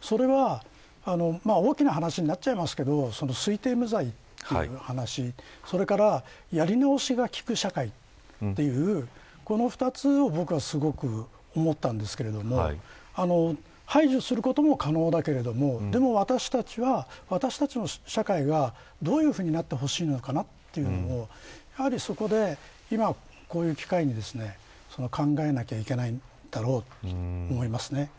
それは大きな話になっちゃいますけど推定無罪という話それからやり直しがきく社会というこの２つを僕はすごく思ったんですけれども排除することも可能だけれどもでも私たちは、私たちの社会がどういうふうになってほしいのかなというのをそこで、こういう機会に考えなきゃいけないだろうと思いますね。